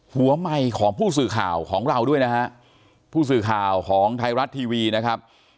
หัวใหม่ของผู้สื่อข่าวของเราด้วยนะฮะผู้สื่อข่าวของไทยรัฐทีวีนะครับ